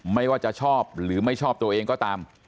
ไม่ว่าจะชอบหรือไม่ชอบตัวเองก็ตาม